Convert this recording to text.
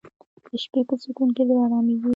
د شپې په سکون کې زړه آرامیږي